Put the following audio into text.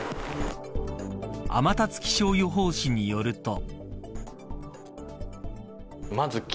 天達気象予報士によると。